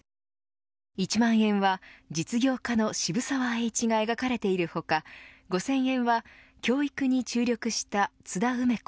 １万円は、実業家の渋沢栄一が描かれている他５０００円は教育に注力した津田梅子